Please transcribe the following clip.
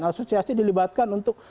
asosiasi dilibatkan untuk